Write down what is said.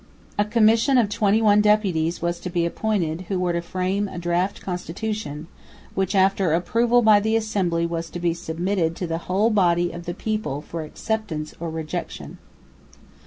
A Commission of twenty one deputies was to be appointed, who were to frame a draft Constitution, which after approval by the Assembly was to be submitted to the whole body of the people for acceptance or rejection.